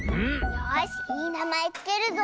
よしいいなまえつけるぞ。